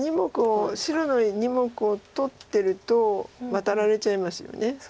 白の２目を取ってるとワタられちゃいますよね。